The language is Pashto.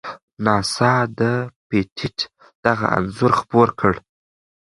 ناسا د پېټټ دغه انځور خپور کړ.